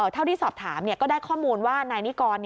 เท่าที่สอบถามก็ได้ข้อมูลว่านายนิกร